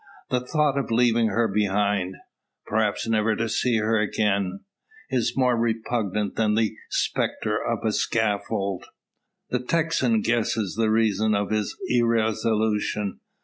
The thought of leaving her behind perhaps never to see her again is more repugnant than the spectre of a scaffold! The Texan guesses the reason of his irresolution.